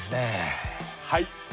はい。